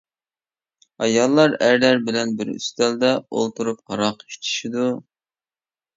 ئاياللار ئەرلەر بىلەن بىر ئۈستەلدە ئولتۇرۇپ ھاراق ئىچىشىدۇ.